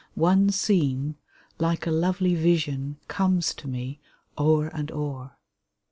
One scene, like a lovely vision. Comes to me o'er and o'er.